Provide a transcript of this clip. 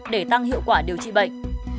để tăng hiệu quả điều trị bệnh